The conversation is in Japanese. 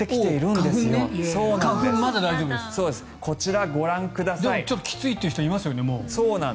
でもちょっともうきついという人いますよね。